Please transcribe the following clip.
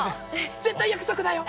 絶対約束だよ。